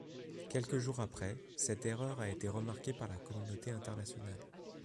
Quelques jours après, cette erreur a été remarquée par la communauté internationale.